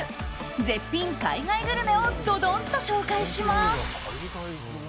絶品海外グルメをどどんと紹介します。